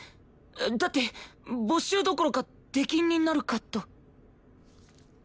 だって没収どころか出禁になるかと。